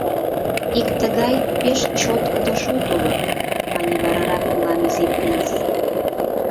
— Ик тыгай пеш чоткыдо шот уло, — мане варарак мылам Изи принц.